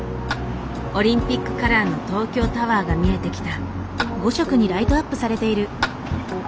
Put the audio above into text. オリンピックカラーの東京タワーが見えてきた。